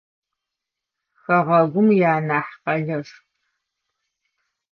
Хэгъэгум ианахь къэлэшху.